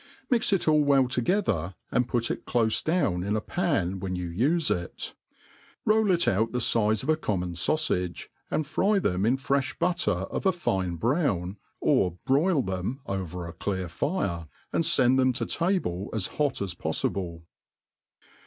Mix it all well together,, and put it dole down in a pan when you*ure it ; roll it out the fize of a common faufage^ and fry them in frefh butter of a fine brown, or broil theu^ over a clear fire, and fend them to table as hot as poffible.